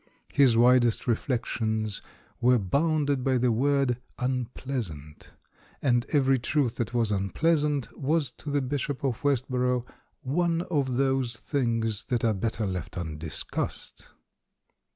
His widest re flections were bounded by the word "Unpleas ant," and every truth that was unpleasant was to the Bishop of Westborough "one of those things that are better left undiscussed."